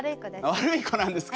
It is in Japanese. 悪い子なんですか？